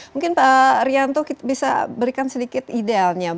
mungkin pak rianto bisa berikan sedikit idealnya